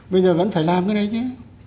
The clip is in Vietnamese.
bây giờ vẫn phải làm cái đấy chứ